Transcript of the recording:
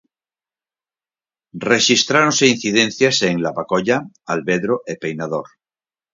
Rexistráronse incidencias en Lavacolla, Alvedro e Peinador.